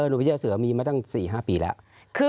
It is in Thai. หน่วยพญาเสือมีมาตั้ง๔๕ปีแล้ว